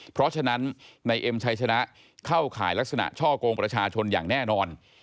เพราะฉะนั้นในเอ็มชัยชนะเข้าข่ายลักษณะช่อกงประชาชนอย่างแน่นอน